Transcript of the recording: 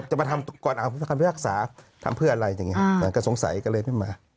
จะมาทำก่อนอาหารพิพัธิภาคศาสตร์ทำเพื่ออะไรแต่สงสัยก็เลยไม่มา